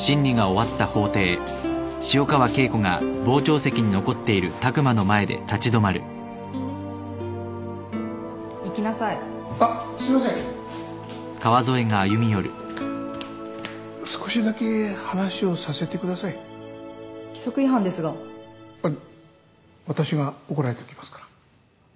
あっ私が怒られておきますから。